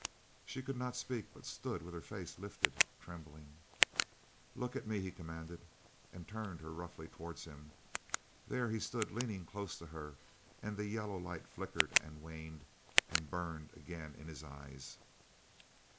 She could not speak but stood with her face lifted, trembling. "Look at me!" he commanded, and turned her roughly towards him. There he stood leaning close to her, and the yellow light flickered and waned and burned again in his eyes.